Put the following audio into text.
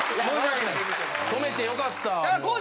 止めてよかったもう。